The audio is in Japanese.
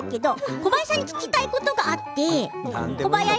小林さんに聞きたいことがあって。